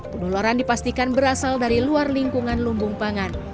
penularan dipastikan berasal dari luar lingkungan lumbung pangan